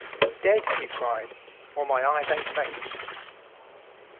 " Dead," he cried, or my eyes ain't mates."